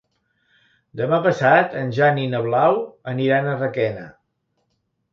Demà passat en Jan i na Blau aniran a Requena.